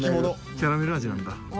キャラメル味なんだ。